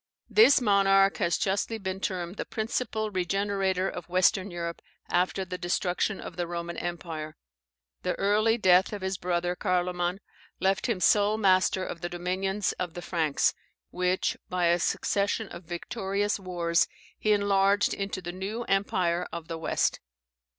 This monarch has justly been termed the principal regenerator of Western Europe, after the destruction of the Roman empire. The early death of his brother, Carloman, left him sole master of the dominions of the Franks, which, by a succession of victorious wars, he enlarged into the new Empire of the West.